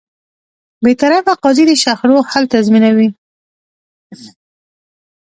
بېطرفه قاضی د شخړو حل تضمینوي.